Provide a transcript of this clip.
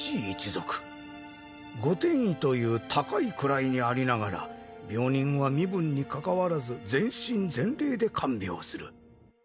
御殿医という高い位にありながら病人は身分にかかわらず全身全霊で看病する。